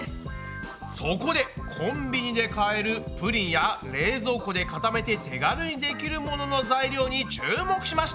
そこでコンビニで買えるプリンや冷蔵庫で固めて手軽にできるものの材料に注目しました！